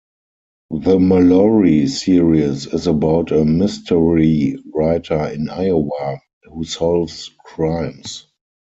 The Mallory series is about a mystery writer in Iowa who solves crimes.